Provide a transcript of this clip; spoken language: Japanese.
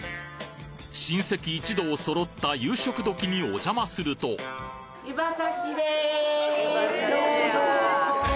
親戚一同そろった夕食時におじゃまするとどうぞ！